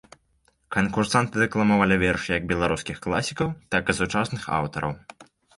Канкурсанты дэкламавалі вершы як беларускіх класікаў, так і сучасных аўтараў.